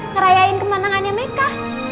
ngerayain kemenangannya meka